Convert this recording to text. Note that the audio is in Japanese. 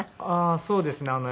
ああーそうですね。